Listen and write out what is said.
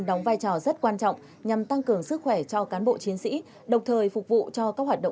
đóng vai trò rất quan trọng nhằm tăng cường sức khỏe cho cán bộ chiến sĩ đồng thời phục vụ cho các hoạt động